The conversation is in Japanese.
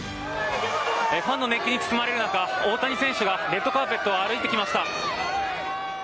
ファンの熱気に包まれる中大谷選手がレッドカーペットを歩いてきました。